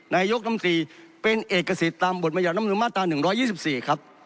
นายกรรมตรีเป็นเอกสิทธิ์ตามบทมญาติหนึ่งมาตราหนึ่งร้อยยี่สิบสี่ครับ